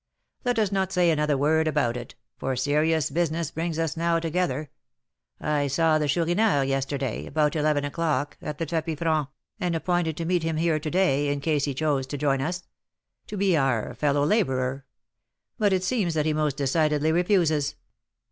Let us not say another word about it, for serious business brings us now together. I saw the Chourineur yesterday, about eleven o'clock, at the tapis franc, and appointed to meet him here to day, in case he chose to join us, to be our fellow labourer; but it seems that he most decidedly refuses."